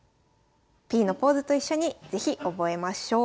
Ｐのポーズと一緒に是非覚えましょう。